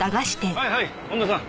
はいはい本田さん